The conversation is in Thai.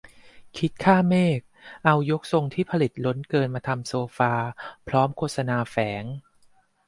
'คิดข้ามเมฆ' เอายกทรงที่ผลิตล้นเกินมาทำโซฟา พร้อมโฆษณาแฝง